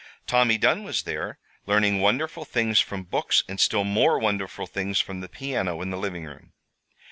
Tommy Dunn was there, learning wonderful things from books and still more wonderful things from the piano in the living room.